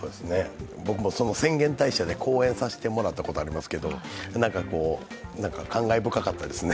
僕も浅間大社で講演させてもらったことありますけどなんか、感慨深かったですね